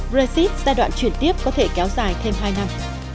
brexit giai đoạn chuyển tiếp có thể kéo dài thêm hai năm